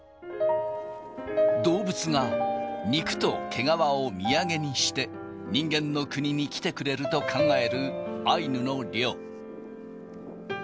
動物が肉と毛皮を土産にして人間の国に来てくれると考えるアイヌの猟。